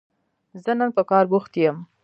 زه نن په کار بوخت يم